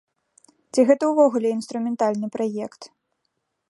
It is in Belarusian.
Ці гэта ўвогуле інструментальны праект?